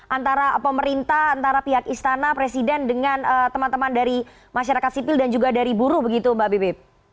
antara pemerintah antara pihak istana presiden dengan teman teman dari masyarakat sipil dan juga dari buruh begitu mbak bibi